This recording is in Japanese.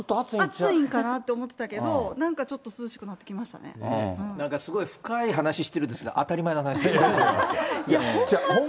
暑いんかなと思ったけど、なんかちょっと涼しくなってきましなんかすごい深い話してるんですが、当たり前の話だと思います。